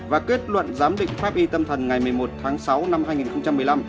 và kết luận giám định pháp y tâm thần ngày một mươi một tháng sáu năm hai nghìn một mươi năm